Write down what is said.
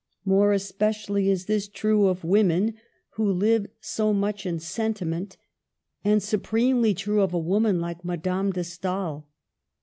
More especially is this true of women who live so much in sentiment ; and supremely true of a woman like Madame de Stael.